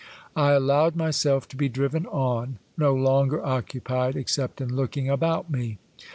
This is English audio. I allowed myself to be driven on, no longer occu pied except in looking about me.